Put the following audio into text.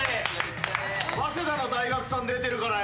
早稲田の大学さん出てるからよ。